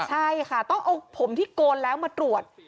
ใช่ค่ะต้องเอาผมที่โกนแล้วมาตรวจ